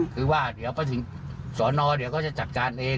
คือว่าเดี๋ยวพระสิ่งสรณอเดี๋ยวก็จะจัดการเอง